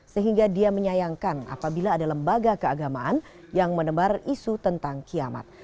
sehingga dia menyayangkan apabila ada lembaga keagamaan yang menebar isu tentang kiamat